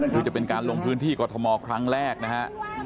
คือจะเป็นการลงพื้นที่กรทมครั้งแรกนะฮะ